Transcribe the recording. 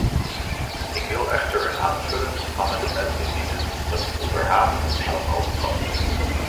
Ik wil echter een aanvullend amendement indienen dat het onderhavige verslag al bevat.